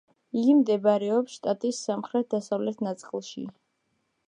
იგი მდებარეობს შტატის სამხრეთ-დასავლეთ ნაწილში.